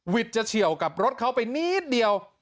จะเฉียวกับรถเขาไปนิดเดียว